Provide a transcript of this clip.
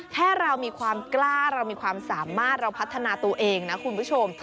แค่เรามีความกล้าเรามีความสามารถเราพัฒนาตัวเองนะคุณผู้ชม